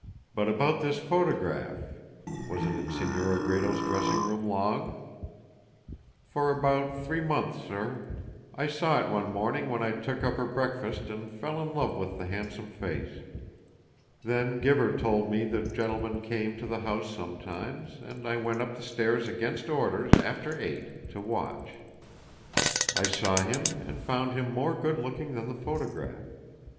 But about this photograph. Was it in Senora Gredos' dressing room long?" "For about three months, sir. I saw it one morning when I took up her breakfast and fell in love with the handsome face. Then Gibber told me the gentleman came to the house sometimes, and I went up the stairs against orders after eight to watch. I saw him and found him more good looking than the photograph.